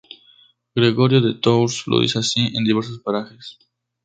Gregorio de Tours lo dice así en diversos parajes.